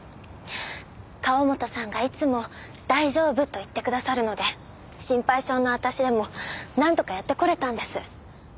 河元さんがいつも大丈夫と言ってくださるので心配性の私でもなんとかやってこれたんです。